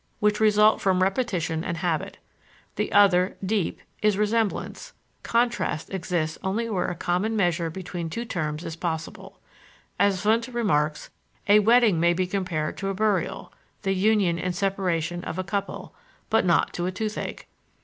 which result from repetition and habit; the other, deep, is resemblance; contrast exists only where a common measure between two terms is possible. As Wundt remarks, a wedding may be compared to a burial (the union and separation of a couple), but not to a toothache.